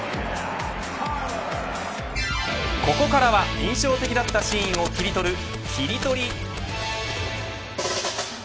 ここからは印象的だったシーンを切り取るキリトリ。